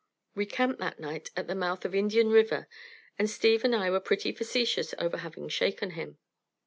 We camped that night at the mouth of Indian River, and Steve and I were pretty facetious over having shaken him.